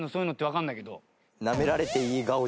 わかんないけど。